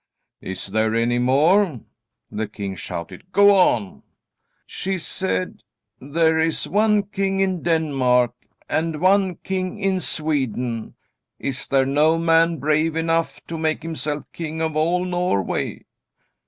"Is there any more?" the king shouted. "Go on!" "She said: 'There is one king in Denmark and one king in Sweden. Is there no man brave enough to make himself king of all Norway?